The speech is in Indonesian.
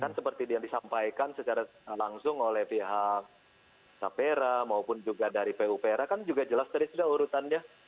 kan seperti yang disampaikan secara langsung oleh pihak sapera maupun juga dari pupera kan juga jelas tadi sudah urutannya